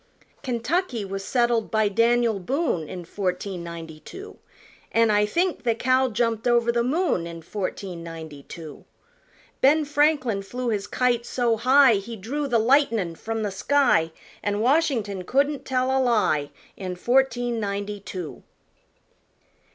Kentucky was settled by Daniel Boone In fourteen ninety two, An' I think the cow jumped over the moon In fourteen ninety two. Ben Franklin flew his kite so high He drew the lightnin' from the sky, An' Washington couldn't tell a lie, In fourteen ninety two.